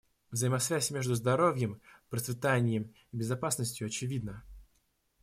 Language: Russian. Взаимосвязь между здоровьем, процветанием и безопасностью очевидна.